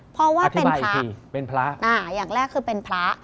เพราะว่าเป็นพระอย่างแรกคือเป็นพระ